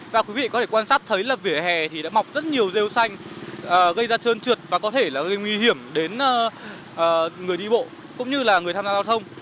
và quý vị có thể quan sát thấy là vỉa hè thì đã mọc rất nhiều rêu xanh gây ra trơn trượt và có thể là gây nguy hiểm đến người đi bộ cũng như là người tham gia giao thông